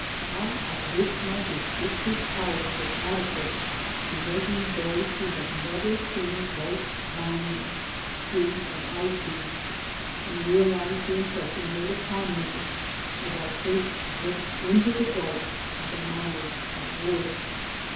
How I wish my de scriptive powers were adequate to making those who have never seen gulch mining see as I see, and realize the impression made upon me as I first looked into the gulch at the miners at work.